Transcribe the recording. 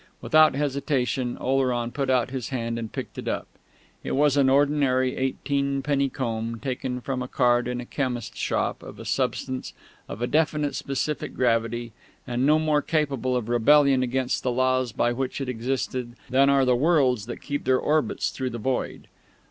Without hesitation Oleron put out his hand and picked it up. It was an ordinary eighteenpenny comb, taken from a card in a chemist's shop, of a substance of a definite specific gravity, and no more capable of rebellion against the Laws by which it existed than are the worlds that keep their orbits through the void.